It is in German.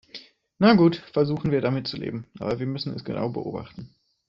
Na gut, versuchen wir damit zu leben, aber wir müssen es genau beobachten.